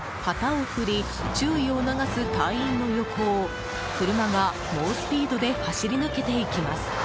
旗を振り注意を促す隊員の横を車が、猛スピードで走り抜けていきます。